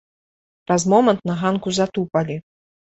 Праз момант на ганку затупалі.